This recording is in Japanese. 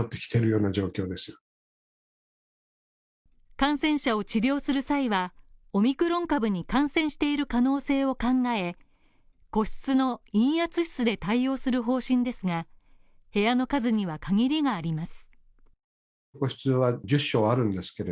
感染者を治療する際は、オミクロン株に感染している可能性を考え個室の陰圧室で対応する方針ですが、部屋の数には限りがあります。